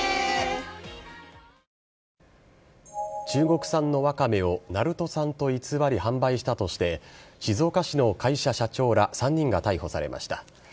中国産のわかめを鳴戸産と偽り販売したとして、静岡市の会社社長ら３人が逮捕されました。